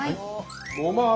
ごま油。